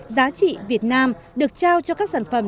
giá trị việt nam được trao cho các sản phẩm